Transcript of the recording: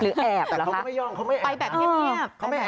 หรือแอบหรอฮะไปแบบเงียบไปแบบเงียบแต่เขาก็ไม่ย่องเขาไม่แอบนะ